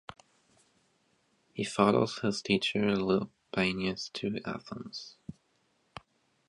He follows his teacher Libanius to Athens.